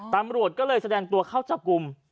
ตำรวจก็เลยแสดงตัวเข้าจับกลุ่ม